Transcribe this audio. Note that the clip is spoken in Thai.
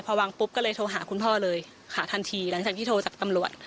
พอวางปุ๊บก็เลยโทรหาคุณพ่อเลยค่ะทันทีหลังจากที่โทรจากตำรวจ